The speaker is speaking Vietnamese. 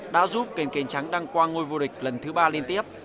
đã giúp kênh kênh trắng đăng quang ngôi vô địch lần thứ ba liên tiếp